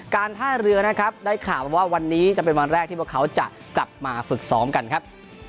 การท่าเรือนะครับได้ข่าวว่าวันนี้จะเป็นวันแรกที่พวกเขาจะกลับมาฝึกซ้อมกันครับ